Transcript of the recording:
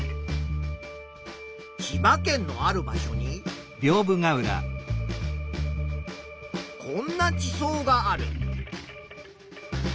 千葉県のある場所にこんな地層がある。